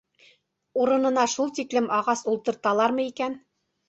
Урынына шул тиклем ағас ултырталармы икән?